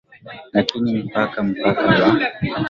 lakini mpaka mpaka wa